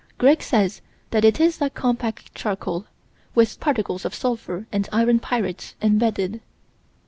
Greg says that it is like compact charcoal, with particles of sulphur and iron pyrites embedded.